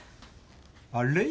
あれ？